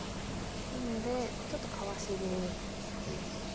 なのでちょっとかわし気味に。